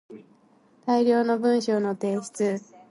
大量の文章の提出